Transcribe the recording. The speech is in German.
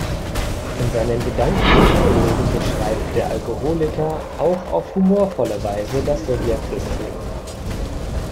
In seinen gedanklichen Monologen beschreibt der Alkoholiker auch auf humorvolle Weise das Sowjetsystem.